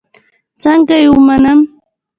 څنگه يې ومنم.